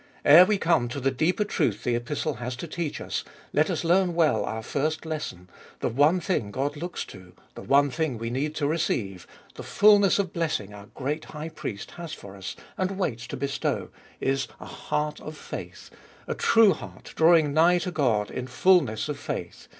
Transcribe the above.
Ere we come to the deeper truth the Epistle has to teach us, let us learn well our first lesson : the one thing God looks to, the one thing we need to receive, the fulness of blessing our great High Priest has for us and waits to bestow, is a heart of faith — a true heart drawing nigh to God in fulness of faith (x.